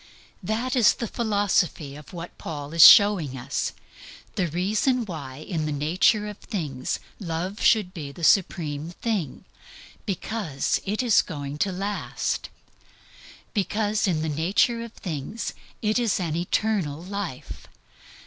That is the philosophy of what Paul is showing us; the reason why in the nature of things Love should be the supreme thing because it is going to last; because in the nature of things it is an Eternal Life.